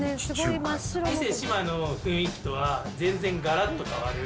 伊勢志摩の雰囲気とは全然がらっと変わる。